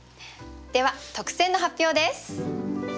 では特選の発表です。